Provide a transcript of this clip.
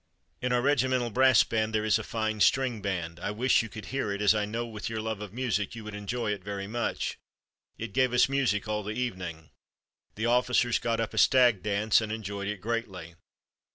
"In our regimental brass band there is a fine string band. I wish you could hear it, as I know with your love of music you would enjoy it very much. It gave us music all the evening. The officers got up a 'stag dance' and enjoyed it greatly.